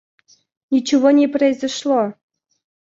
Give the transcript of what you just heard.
Ничего не произошло!